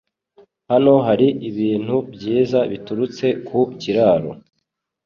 Hano haribintu byiza biturutse ku kiraro.